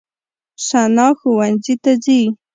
ثنا ښوونځي ته ځي.